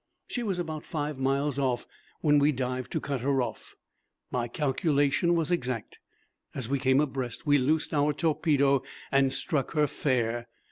She was about five miles off when we dived to cut her off. My calculation was exact. As we came abreast we loosed our torpedo and struck her fair.